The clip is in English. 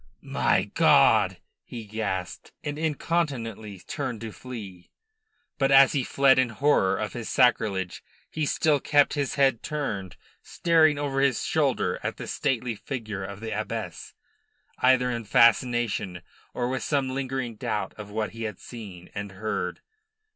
"My God!" he gasped, and incontinently turned to flee. But as he fled in horror of his sacrilege, he still kept his head turned, staring over his shoulder at the stately figure of the abbess, either in fascination or with some lingering doubt of what he had seen and heard.